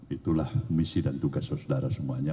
itulah misi dan tugas saudara semuanya